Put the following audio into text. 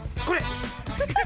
これ！